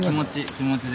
気持ちで。